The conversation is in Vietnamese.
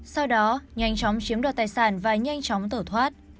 sau đó nhanh chóng chiếm đoạt tài sản và nhanh chóng tẩu thoát